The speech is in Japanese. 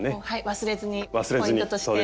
忘れずにポイントとして。